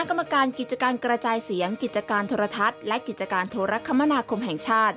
กรรมการกิจการกระจายเสียงกิจการโทรทัศน์และกิจการโทรคมนาคมแห่งชาติ